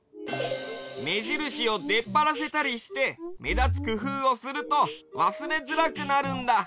めじるしをでっぱらせたりしてめだつくふうをするとわすれづらくなるんだ。